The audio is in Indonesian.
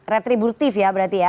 retributif ya berarti ya